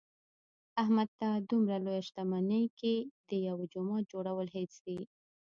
احمد ته په دمره لویه شتمنۍ کې د یوه جومات جوړل هېڅ دي.